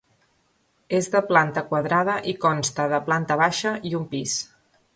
És de planta quadrada i consta de planta baixa i un pis.